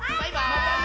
またね！